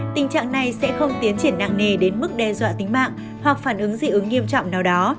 tình trạng này sẽ không tiến triển nặng nề đến mức đe dọa tính mạng hoặc phản ứng dị ứng nghiêm trọng nào đó